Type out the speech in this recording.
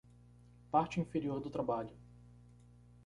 Parte inferior do trabalho